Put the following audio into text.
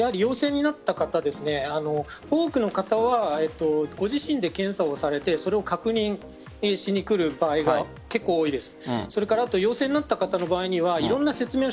先ほどおっしゃっていましたが陽性になった方は多くの方はご自身で検査をされてそれを確認しに来る場合が結構多いです。